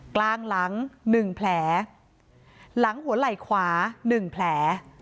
กลางหลังหนึ่งแผลหลังหัวไหล่ขวาหนึ่งแผล